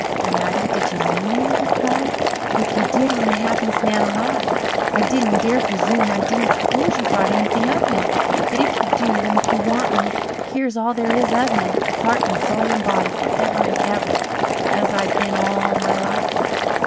"Mattie, did you mean that?" he cried. "If you did, I'm the happiest man alive. I didn't dare persoom I didn't s'pose you thought anything of me. But if you do and if you want me here's all there is of me, heart and soul and body, forever and ever, as I've been all my life."